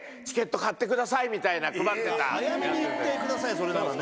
早めに言ってくださいよそれならね。